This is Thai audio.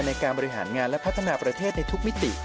ในการบริหารงานและพัฒนาประเทศในทุกมิติ